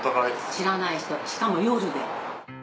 知らない人しかも夜です。